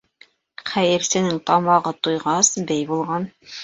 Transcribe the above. Хәйерсенең тамағы туйғас, бей булған.